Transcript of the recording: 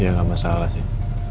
ya enggak masalah sih